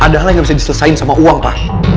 ada hal yang gak bisa diselesain sama uang papa